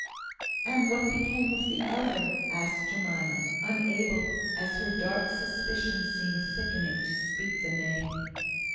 "And what became of the other?" asked Jemima, unable, as her dark suspicion seemed thickening, to speak the name.